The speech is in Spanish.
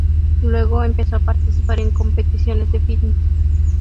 Luego empezó a participar en competiciones de fitness.